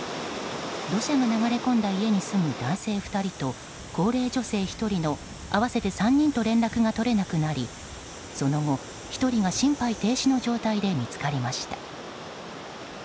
土砂が流れ込んだ家に住む男性２人と高齢女性１人の合わせて３人と連絡が取れなくなりその後、１人が心肺停止の状態で見つかりました。